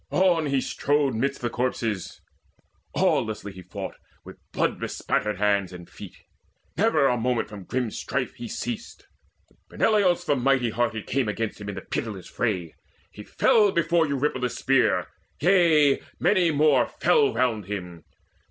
On strode he midst the corpses, awelessly He fought, with blood bespattered hands and feet; Never a moment from grim strife he ceased. Peneleos the mighty hearted came Against him in the pitiless fray: he fell Before Eurypylus' spear: yea, many more Fell round him.